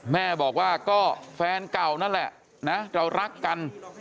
แม่บอกว่าก็แฟนเก่านั่นแหละนะเรารักกัน